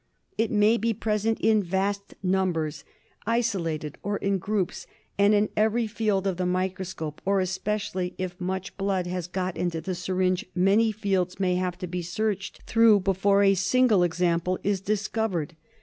It may be present in vast numbers, isolated, or in groups, and in every field of the microscope ; or, especially if much blood has got into the syringe, many fields may have to be searched through before a single example is discovered.